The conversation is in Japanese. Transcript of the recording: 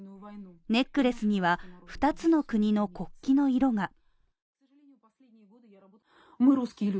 ネックレスには、２つの国の国旗の色が。